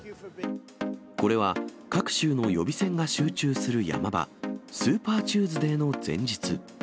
これは各州の予備選が集中するヤマ場、スーパーチューズデーの前日。